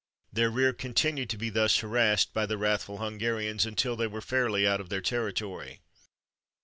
Their rear continued to be thus harassed by the wrathful Hungarians until they were fairly out of their territory.